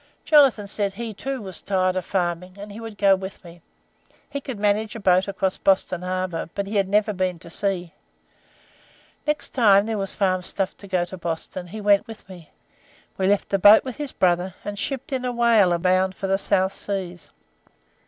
Jonathan said he, too, was tired of farming, and he would go with me. He could manage a boat across Boston Harbour, but he had never been to sea. Next time there was farm stuff to go to Boston he went with me; we left the boat with his brother, and shipped in a whaler bound for the South Seas.